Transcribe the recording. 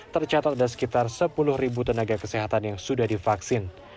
tercatat ada sekitar sepuluh tenaga kesehatan yang sudah divaksin